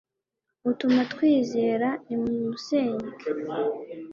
utuma twizera. nimumusenge